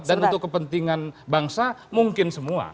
dan untuk kepentingan bangsa mungkin semua